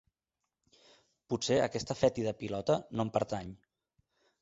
Potser aquesta fètida pilota no em pertany.